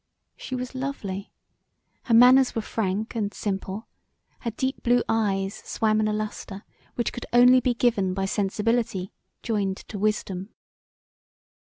She was lovely; her manners were frank and simple; her deep blue eyes swam in a lustre which could only be given by sensibility joined to wisdom.